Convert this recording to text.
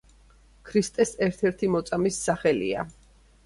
ქრისტეს ერთ-ერთი მოწამის სახელია.